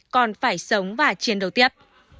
còn phải sống và chiến đấu tiếp